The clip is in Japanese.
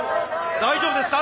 大丈夫ですか？